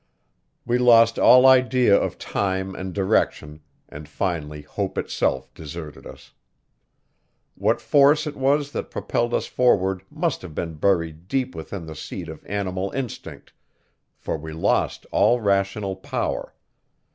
We lost all idea of time and direction, and finally hope itself deserted us. What force it was that propelled us forward must have been buried deep within the seat of animal instinct, for we lost all rational power.